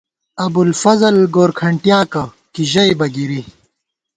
ابوالفضل گورکھنٹیاکہ کی ژئیبہ گِری